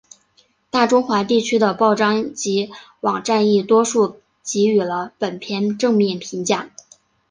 大中华地区的报章及网站亦多数给予了本片正面评价。